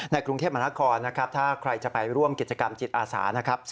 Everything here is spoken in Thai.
กรุงเทพมหานครนะครับถ้าใครจะไปร่วมกิจกรรมจิตอาสานะครับ